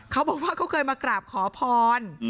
เขาบอกว่าเขาเคยมากราบขอพร